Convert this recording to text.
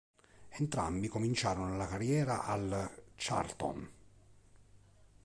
Entrambi cominciarono la carriera al Charlton.